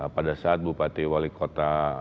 pada saat bupati wali kota